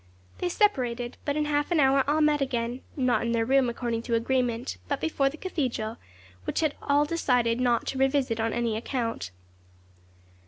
They separated, but in half an hour all met again, not in their room according to agreement, but before the cathedral, which all had decided not to revisit on any account.